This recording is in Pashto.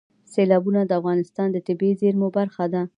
سیلابونه د افغانستان د طبیعي زیرمو برخه ده.